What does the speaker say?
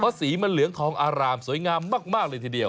สีมันเหลืองทองอารามสวยงามมากเลยทีเดียว